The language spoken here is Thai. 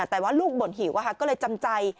แต่ว่าลูกบ่นหิวก็เลยจำใจ